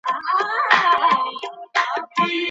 مور، پلار او د کورنيو مشران درانه مسئوليتونه لري.